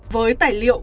với tài liệu